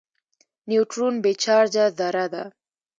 نیوټرون بې چارجه ذره ده.